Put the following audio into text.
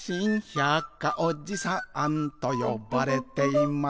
「『百科おじさん』とよばれています」